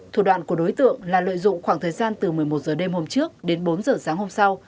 thủ đoạn của đối tượng là lợi dụng khoảng thời gian từ một mươi một h đêm hôm trước đến bốn h sáng hôm sau